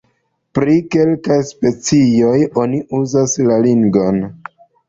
Pri kelkaj specioj oni uzas la lignon.